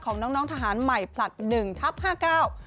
ของน้องทหารใหม่ผลัด๑ทับ๕เก้า